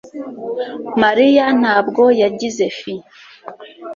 mariya ntabwo yagize fi